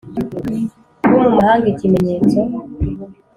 bo mu mahanga ikimenyetso.